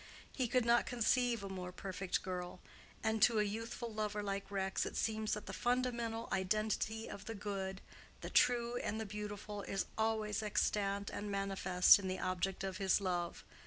He could not conceive a more perfect girl; and to a youthful lover like Rex it seems that the fundamental identity of the good, the true and the beautiful, is already extant and manifest in the object of his love.